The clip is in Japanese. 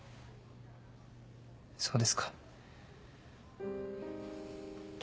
そうですか。